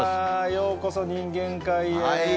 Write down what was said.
ようこそ人間界へ。